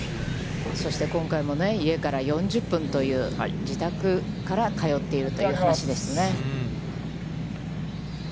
そして、今回も家から４０分という、自宅から通っているという話ですね。